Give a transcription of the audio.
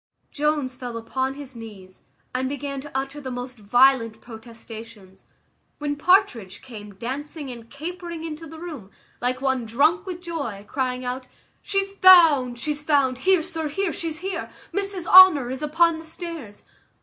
Jones fell upon his knees, and began to utter the most violent protestations, when Partridge came dancing and capering into the room, like one drunk with joy, crying out, "She's found! she's found! Here, sir, here, she's here Mrs Honour is upon the stairs."